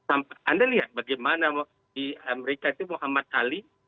anda lihat bagaimana di amerika itu muhammad ali